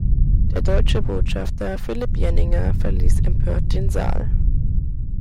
Der deutsche Botschafter Philipp Jenninger verließ empört den Saal.